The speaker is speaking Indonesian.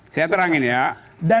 saya terangin ya